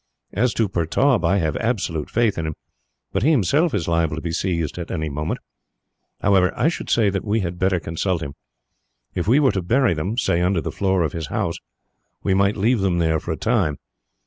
"As to Pertaub, I have absolute faith in him, but he himself is liable to be seized at any moment. However, I should say we had better consult him. If we were to bury them, say, under the floor of his house, we might leave them there for a time.